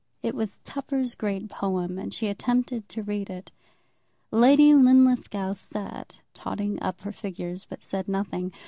It was Tupper's great poem, and she attempted to read it. Lady Linlithgow sat, totting up her figures, but said nothing.